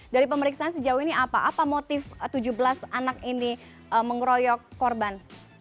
dari pemeriksaan sejauh ini apa apa motif tujuh belas anak ini mengeroyok korban